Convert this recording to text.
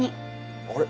あれ？